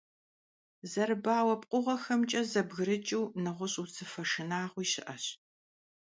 Зэрыбауэ пкъыгъуэхэмкӀэ зэбгрыкӀыу нэгъуэщӀ узыфэ шынагъуи щыӀэщ.